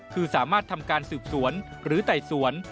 คือสามารถทำการสืบสวนหรือไต่สวน